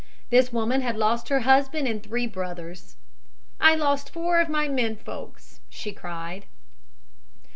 This woman had lost her husband and three brothers. "I lost four of my men folks," she cried.